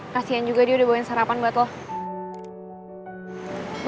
kasian juga dia udah bawain sarapan buat lo